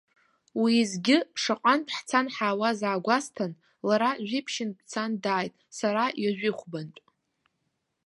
Уеизгьы, шаҟантә ҳцан ҳаауаз аагәасҭан, лара жәиԥшьынтә дцан дааит, сара ҩажәихәбантә.